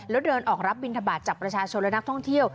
แล้วเดินออกรับบินทบาทจากประชาชนและนักท่องเที่ยว